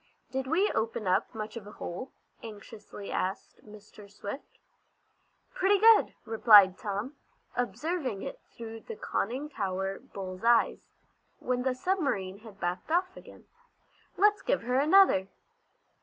"Did we open up much of a hole?" anxiously asked Mr. Swift. "Pretty good," replied Tom, observing it through the conning tower bull's eyes, when the submarine had backed off again. "Let's give her another."